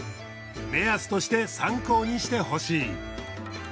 目安として参考にしてほしい。